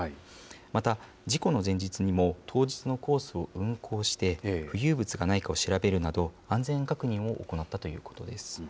また、事故の前日にも、当日のコースを運航して、浮遊物がないかを調べるなど、安全確認を行ったということです。